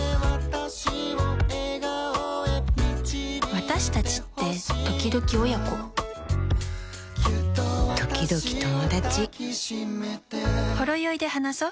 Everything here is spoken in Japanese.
私達ってときどき親子ときどき友達「ほろよい」で話そ。